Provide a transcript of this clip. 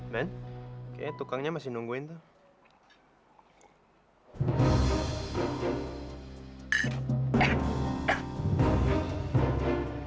ben kek tukangnya masih nungguin dah